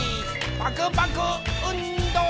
パクパクうんど！